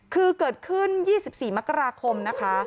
คือเกิดขึ้น๒๔มกราคมนะคะ